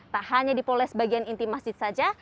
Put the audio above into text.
tak hanya dipoles bagian inti masjid saja